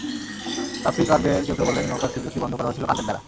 তাফসীরকারদের কেউ কেউ বলেন, নৌকার ছিদ্রটি বন্ধ করা হয়েছিল কাঁচের দ্বারা।